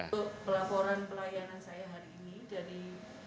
pelaporan pelayanan saya hari ini dari petugas